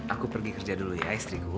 aku pergi kerja dulu ya istriku